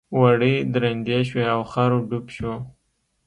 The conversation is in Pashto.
وړۍ درندې شوې او خر ډوب شو.